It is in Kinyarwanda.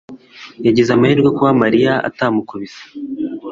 yagize amahirwe kuba Mariya atamukubise.